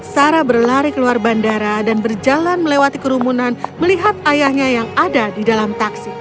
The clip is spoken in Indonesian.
sarah berlari keluar bandara dan berjalan melewati kerumunan melihat ayahnya yang ada di dalam taksi